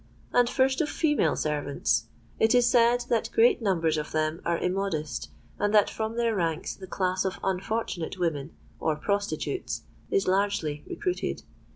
And first of female servants. It is said that great numbers of them are immodest, and that from their ranks the class of unfortunate women, or prostitutes, is largely recruited.